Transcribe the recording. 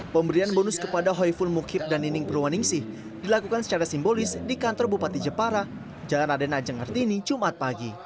pemberian bonus kepada hoiful mukib dan nining purwaningsih dilakukan secara simbolis di kantor bupati jepara jalan adena jengertini jumat pagi